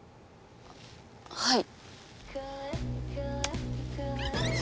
はい。